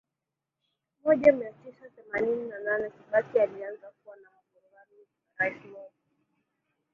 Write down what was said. moja mia tisa themanini na nane Kibaki alianza kuwa na mgongano na Rais Moi